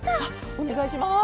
おねがいします。